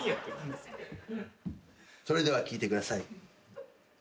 それでは聴いてください。